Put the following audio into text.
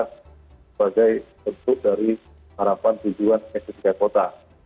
sebagai bentuk dari harapan tujuan estetika kota